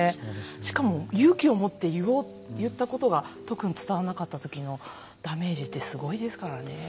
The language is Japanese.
しかも勇気を持って言ったことが特に伝わらなかった時のダメージってすごいですからね。